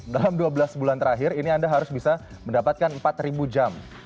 dalam dua belas bulan terakhir ini anda harus bisa mendapatkan empat jam